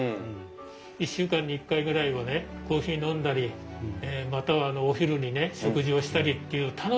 １週間に１回ぐらいはねコーヒー飲んだりまたはお昼に食事をしたりっていう楽しみができましたよね。